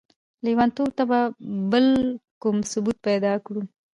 ليونتوب ته به بل کوم ثبوت پيدا کړو؟!